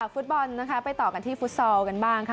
ฟุตบอลนะคะไปต่อกันที่ฟุตซอลกันบ้างค่ะ